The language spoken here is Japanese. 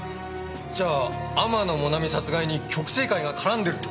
じゃあ天野もなみ殺害に極征会が絡んでるって事か？